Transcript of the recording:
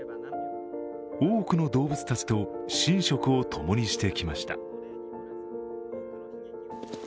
多くの動物たちと寝食を共にしてきました。